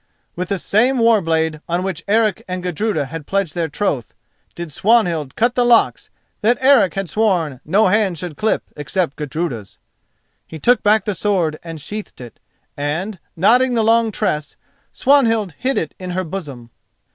With the same war blade on which Eric and Gudruda had pledged their troth, did Swanhild cut the locks that Eric had sworn no hand should clip except Gudruda's. He took back the sword and sheathed it, and, knotting the long tress, Swanhild hid it in her bosom.